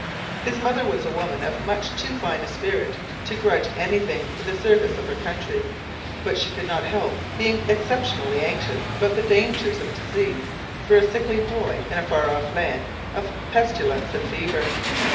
His mother was a woman of much too fine a spirit to grudge anything for the service of her country; but she could not help being exceptionally anxious about the dangers of disease for a sickly boy in a far off land of pestilence and fever.